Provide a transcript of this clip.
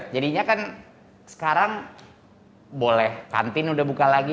jadi kan sekarang boleh kantin sudah buka lagi